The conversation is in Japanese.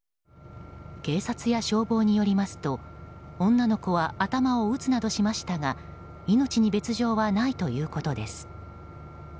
警察や消防によりますと女の子は頭を打つなどしましたが命に別条はないということです。